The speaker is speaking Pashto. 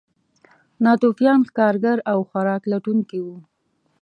ناتوفیان ښکارګر او خوراک لټونکي وو.